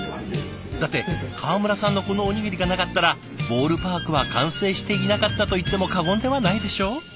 だって川村さんのこのおにぎりがなかったらボールパークは完成していなかったといっても過言ではないでしょう！